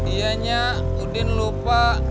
iya nyak udin lupa